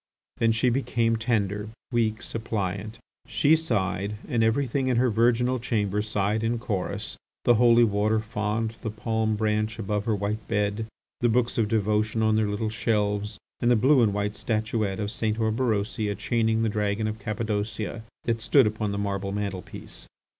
Then she became tender, weak, suppliant. She sighed, and everything in her virginal chamber sighed in chorus, the holy water font, the palm branch above her white bed, the books of devotion on their little shelves, and the blue and white statuette of St. Orberosia chaining the dragon of Cappadocia, that stood upon the marble mantelpiece.